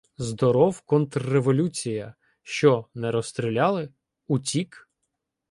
— Здоров, "контрреволюція"! Що, не розстріляли? Утік?